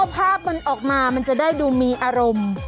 ภาพมันออกมามันจะได้ดูมีอารมณ์